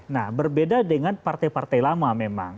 nah berbeda dengan partai partai lama memang